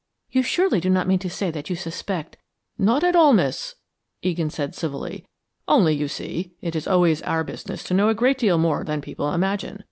"You surely do not mean to say that you suspect " "Not at all, miss," Egan said, civilly. "Only, you see, it is always our business to know a great deal more than people imagine.